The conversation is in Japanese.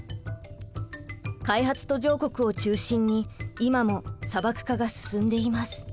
開発途上国を中心に今も砂漠化が進んでいます。